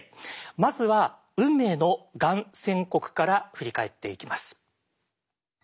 まずは運命のがん宣告から振り返っていきます。